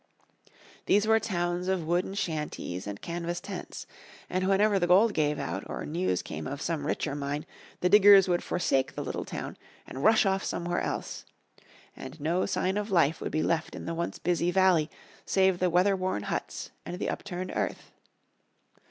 These were towns of wooden shanties and canvas tents. And whenever the gold gave out, or news came of some richer mine, the diggers would forsake the little town, and rush off somewhere else. And no sign of life would be left in the once busy valley save the weather worn huts and the upturned earth.